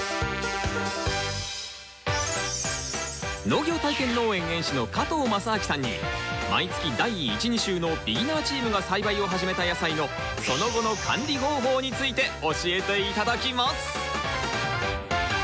農業体験農園園主の加藤正明さんに毎月第１・２週のビギナーチームが栽培を始めた野菜のその後の管理方法について教えて頂きます！